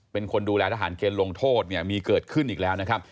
เป็นคนดูแลทหารเกณฑ์ลงโทษเนี่ยมีเกิดขึ้นอีกแล้วนะครับ